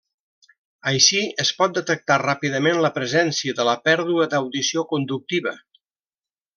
Així, es pot detectar ràpidament la presència de la pèrdua d'audició conductiva.